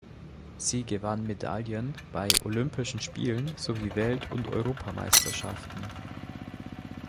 Sie gewann Medaillen bei Olympischen Spielen sowie Welt- und Europameisterschaften.